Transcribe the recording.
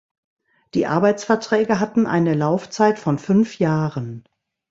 Die Arbeitsverträge hatten eine Laufzeit von fünf Jahren.